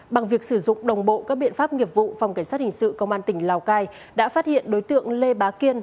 bằng việc sử dụng đồng bộ các biện pháp nghiệp vụ phòng cảnh sát hình sự công an tỉnh lào cai đã phát hiện đối tượng lê bá kiên